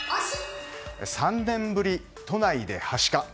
３年ぶり、都内ではしか。